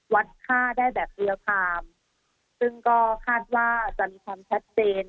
วัดค่าได้แบบ๑๖๐๐บาทซึ่งก็คาดว่าจะมีความแช็คเจน